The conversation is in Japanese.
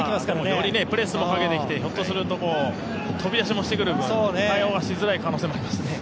よりプレスもかけてきて、ひょっとすると飛び出しもしてくる、対応はしづらい可能性はありますね。